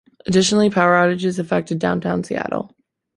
Additionally, power outages affected downtown Seattle.